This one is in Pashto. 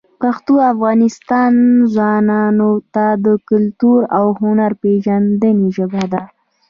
پښتو د افغانستان ځوانانو ته د کلتور او هنر پېژندنې ژبه ده.